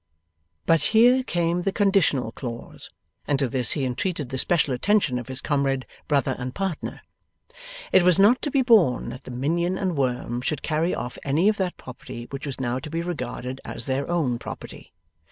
But here came the conditional clause, and to this he entreated the special attention of his comrade, brother, and partner. It was not to be borne that the minion and worm should carry off any of that property which was now to be regarded as their own property.